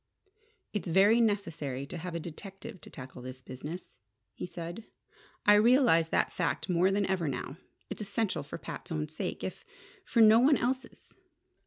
"It's very necessary to have a detective to tackle this business," he said. "I realize that fact more than ever now. It's essential for Pat's own sake, if for no one else's.